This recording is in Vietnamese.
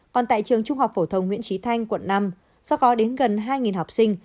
còn tại trường trung học phổ thông nguyễn trí thanh quận năm do có đến gần hai học sinh